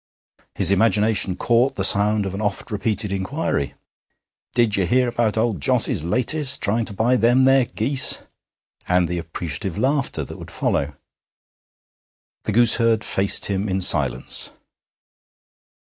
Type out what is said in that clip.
His imagination caught the sound of an oft repeated inquiry, 'Did ye hear about old Jos's latest trying to buy them there geese?' and the appreciative laughter that would follow. The gooseherd faced him in silence.